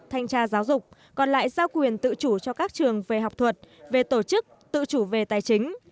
thanh tra giáo dục còn lại giao quyền tự chủ cho các trường về học thuật về tổ chức tự chủ về tài chính